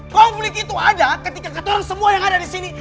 konflik itu ada ketika kata orang semua yang ada disini